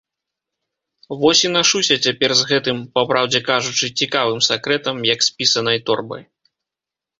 Вось і нашуся цяпер з гэтым, папраўдзе кажучы, цікавым сакрэтам, як з пісанай торбай.